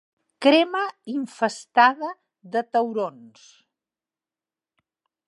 Crema infestada de taurons!